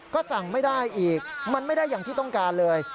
ก็สั่งไม่ได้อีกมันไม่ได้อย่างที่ต้องการเลย